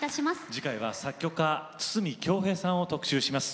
次回は作曲家筒美京平さんを特集します。